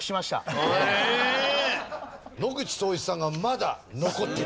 野口聡一さんがまだ残ってる。